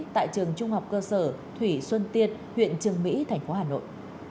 tại trường trung học cơ sở thủy xuân tiệt huyện trường mỹ thành phố hà nội